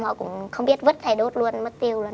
họ cũng không biết vứt hay đốt luôn mất tiêu